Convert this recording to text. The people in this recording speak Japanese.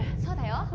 そうだよ！